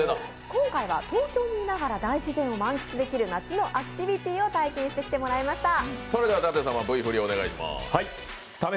今回は東京にいながら大自然を満喫できる夏のアクティビティーを体験してもらいました。